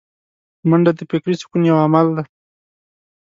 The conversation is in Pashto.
منډه د فکري سکون یو عمل دی